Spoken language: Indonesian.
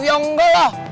ya enggak lah